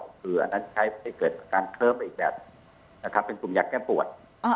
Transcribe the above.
คืออันนั้นใช้เพื่อให้เกิดการเคิบอีกแบบเป็นกลุ่มยากแก้ปวด